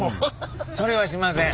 それはしません。